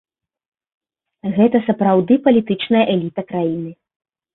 Гэта сапраўды палітычная эліта краіны.